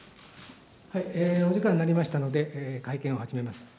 お時間になりましたので、会見を始めます。